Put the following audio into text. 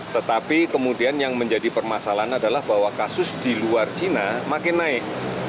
tetapi kemudian yang menjadi permasalahan adalah bahwa kasus di luar cina makin naik